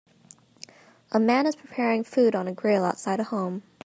A man is preparing food on a grill outside a home.